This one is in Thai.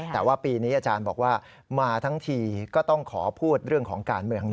แต่ว่าปีนี้อาจารย์บอกว่ามาทั้งทีก็ต้องขอพูดเรื่องของการเมือง